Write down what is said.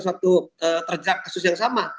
di satu terjagak kasus yang sama